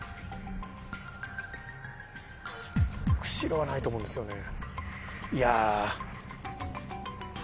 釧路はないと思うんですよね。